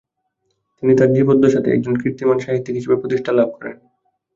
তিনি তার জিবদ্দাশাতেই একজন কীর্তিমান সাহিত্যিক হিসাবে প্রতিষ্ঠা লাভ করেন।